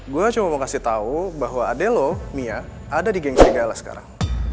gua cuma mau kasih tau bahwa adek lo mia ada di geng serigala sekarang